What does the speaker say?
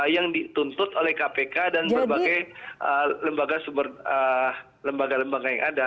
yang dituntut oleh kpk dan berbagai lembaga lembaga yang ada